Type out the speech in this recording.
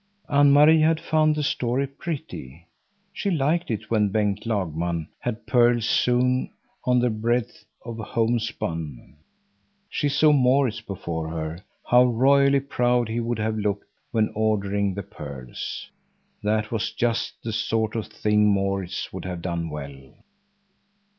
Anne Marie had found the story pretty. She liked it when Bengt Lagman had pearls sewn on the breadth of homespun. She saw Maurits before her; how royally proud he would have looked when ordering the pearls! That was just the sort of thing Maurits would have done well.